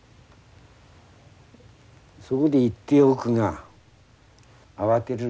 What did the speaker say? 「そこで言っておくが慌てるんでないぞ。